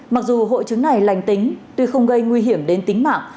mặc dù hội chứng này lành tính tuy không gây nguy hiểm đến tính mạng